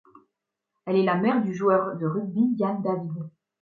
Elle est la mère du joueur de rugby Yann David.